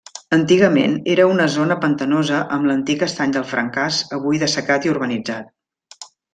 Antigament era una zona pantanosa amb l'antic estany del Francàs avui dessecat i urbanitzat.